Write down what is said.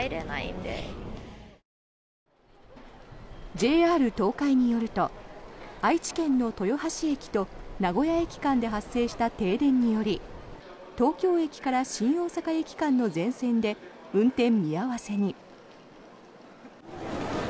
ＪＲ東海によると愛知県の豊橋駅と名古屋駅間で発生した停電により東京駅から新大阪駅間の全線で運転見合わせに。